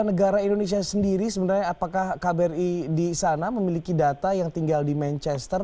negara indonesia sendiri sebenarnya apakah kbri di sana memiliki data yang tinggal di manchester